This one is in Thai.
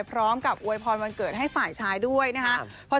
อวยพรวันเกิดให้ฝ่ายชายด้วยนะครับ